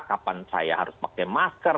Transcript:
kapan saya harus pakai masker